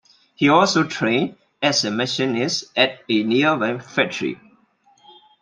He also trained as a machinist at a nearby factory.